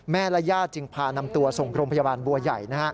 และญาติจึงพานำตัวส่งโรงพยาบาลบัวใหญ่